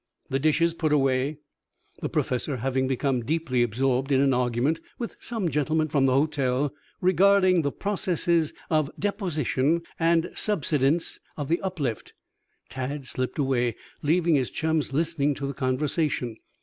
The dishes put away, the Professor having become deeply absorbed in an argument with some gentlemen from the hotel regarding the "processes of deposition and subsidence of the uplift," Tad slipped away, leaving his chums listening to the conversation.